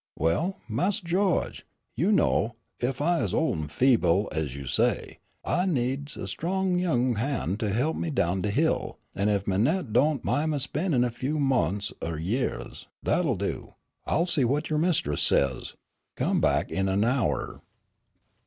"Well, Mas' Gawge, you know, ef I is ol' an' feeble, ez you say, I need a strong young han' to he'p me down de hill, an' ef Manette don' min' spa'in' a few mont's er yeahs " "That'll do, I'll see what your mistress says. Come back in an hour."